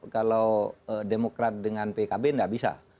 kalau demokrat dengan pkb nggak bisa